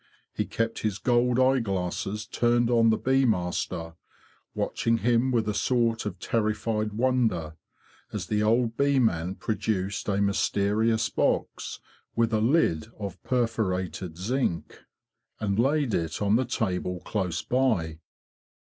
He kept his gold eyeglasses turned on the bee master, watching him with a sort of terrified wonder, as the old bee man produced a mysterious box, with a lid of perforated zinc, and laid it on the table close by.